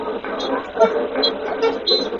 Na kal tak mi vawlei.